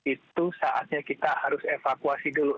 itu saatnya kita harus evakuasi dulu